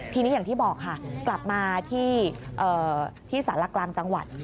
ทีนี้อย่างที่บอกค่ะกลับมาที่สารกลางจังหวัด